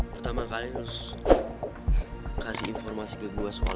pertama kali lo kasih informasi ke gue soal